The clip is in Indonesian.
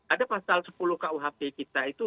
ada pasal sepuluh kuhp kita itu